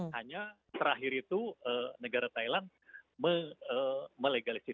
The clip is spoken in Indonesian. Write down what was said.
hanya terakhir itu negara thailand melegalisir